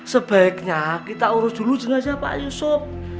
sebaiknya kita urus dulu jenazah pak yusuf